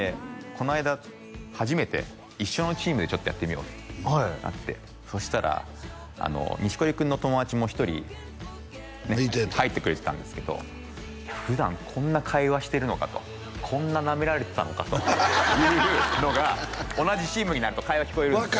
この間初めて一緒のチームでちょっとやってみようってはいやってそしたら錦織君の友達も１人入ってくれてたんですけど普段こんな会話してるのかとこんななめられてたのかというのが同じチームになると会話聞こえるんですよ